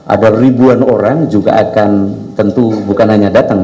ada ribuan orang juga akan tentu bukan hanya datang